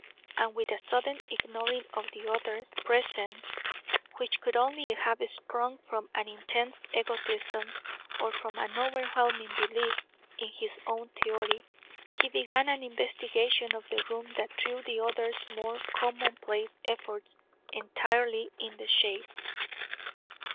And with a sudden ignoring of the others' presence, which could only have sprung from an intense egotism or from an overwhelming belief in his own theory, he began an investigation of the room that threw the other's more commonplace efforts entirely in the shade.